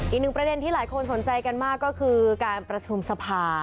อีกหนึ่งประเด็นที่หลายคนสนใจกันมากก็คือการประชุมสภา